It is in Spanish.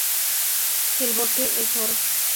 El bosque es oro.